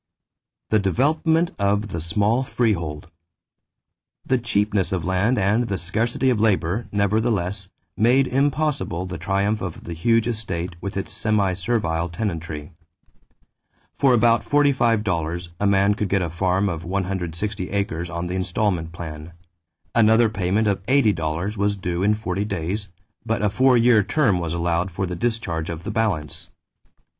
=The Development of the Small Freehold.= The cheapness of land and the scarcity of labor, nevertheless, made impossible the triumph of the huge estate with its semi servile tenantry. For about $45 a man could get a farm of 160 acres on the installment plan; another payment of $80 was due in forty days; but a four year term was allowed for the discharge of the balance.